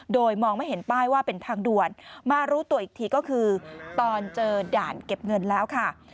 โดยมองไม่เห็นป้ายว่าเป็นทางด่วนมารู้ตัวอีกทีก็คือตอนเจอด่านเก็บเงินแล้วค่ะ